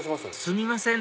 すみません